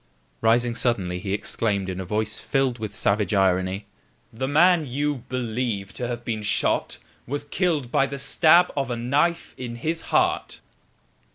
Rising suddenly he exclaimed in a voice filled with savage irony: "The man you believe to have been shot was killed by the stab of a knife in his heart!"